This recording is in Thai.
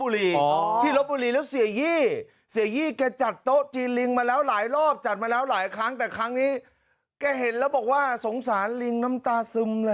แล้วเสียยี่เสียยี่แกจัดโต๊ะจีนลิงมาแล้วหลายรอบจัดมาแล้วหลายครั้งแต่ครั้งนี้แกเห็นแล้วบอกว่าสงสารลิงน้ำตาซึมละ